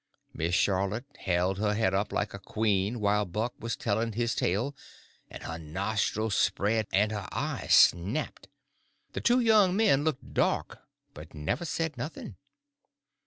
Miss Charlotte she held her head up like a queen while Buck was telling his tale, and her nostrils spread and her eyes snapped. The two young men looked dark, but never said nothing.